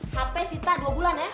hp sita dua bulan ya